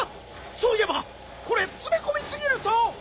そういえばこれつめこみすぎると。